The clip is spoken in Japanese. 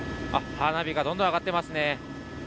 花火がどんどん上がってますね。